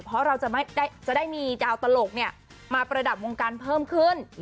เพราะเราจะได้มีดาวตลกมาประดับวงการเพิ่มขึ้น